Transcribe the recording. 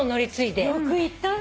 よく行ったね。